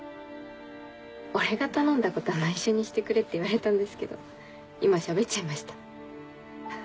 「俺が頼んだことは内緒にしてくれ」って言われたんですけど今しゃべっちゃいました。